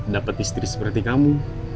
dapet istri seperti kamu